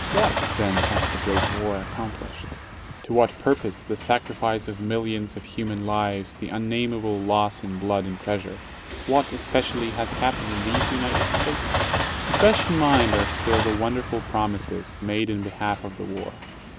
What, then, has the Great War accomplished? To what pur pose the sacrifice of millions of human lives, the unnamable loss in blood and treasure? What, especially, has happened in these United States? Fresh in mind are still the wonderful promises made in behalf of the War.